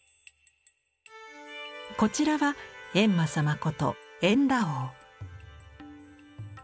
こちらは閻魔様こと閻羅王。